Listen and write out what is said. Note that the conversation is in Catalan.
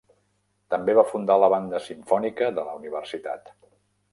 També va fundar la banda simfònica de la universitat.